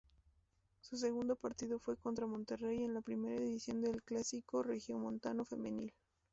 Su segundo partido fue contra Monterrey, en la primera edición del Clásico Regiomontano Femenil.